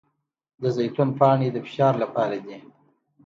د زیتون پاڼې د فشار لپاره دي.